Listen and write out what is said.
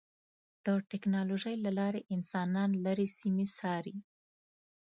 د ټکنالوجۍ له لارې انسانان لرې سیمې څاري.